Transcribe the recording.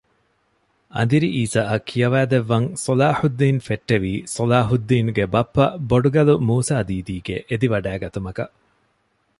އަނދިރި އީސައަށް ކިޔަވައިދެއްވަން ޞަލާޙުއްދީނު ފެއްޓެވީ ޞަލާހުއްދީނުގެ ބައްޕަ ބޮޑުގަލު މޫސާ ދީދީގެ އެދިވަޑައިގަތުމަކަށް